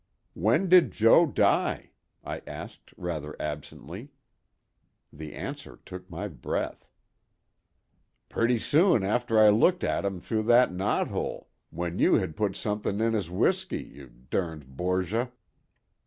"When did Jo. die?" I asked rather absently. The answer took my breath: "Pretty soon after I looked at him through that knot hole, w'en you had put something in his w'isky, you derned Borgia!"